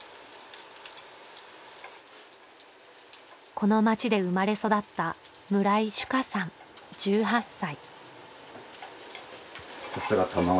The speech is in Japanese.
この町で生まれ育った村井珠夏さん１８歳。